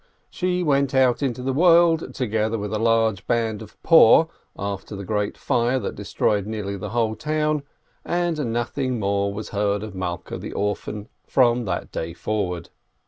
She went out into the world, together with a large band of poor, after the great fire that destroyed nearly the whole town, and nothing more was heard of Malkeh the orphan from that day forward.